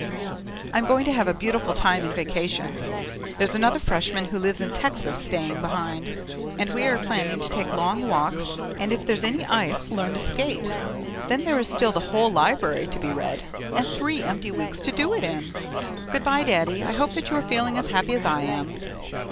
I'm going to have a beautiful time in vacation; there's another Freshman who lives in Texas staying behind, and we are planning to take long walks and if there's any ice learn to skate. Then there is still the whole library to be read and three empty weeks to do it in! Goodbye, Daddy, I hope that you are feeling as happy as I am.